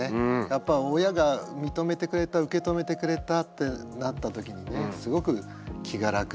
やっぱ親が認めてくれた受け止めてくれたってなった時にねすごく気が楽になってね。